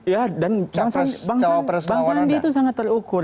ya dan bang sandi itu sangat terukur